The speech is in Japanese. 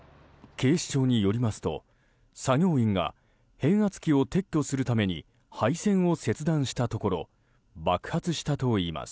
警視庁によりますと作業員が変圧器を撤去するために配線を切断したところ爆発したといいます。